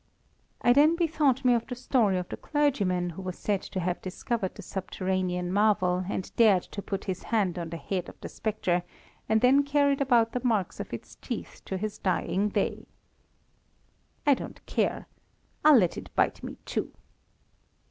I then bethought me of the story of the clergyman who was said to have discovered the subterranean marvel, and dared to put his hand on the head of the spectre, and then carried about the marks of its teeth to his dying day. I don't care. I'll let it bite me too.